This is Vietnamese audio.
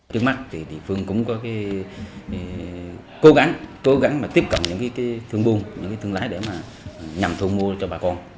trước mắt thì địa phương cũng có cố gắng tiếp cận những thương buôn những thương lái để nhằm thu mua cho bà con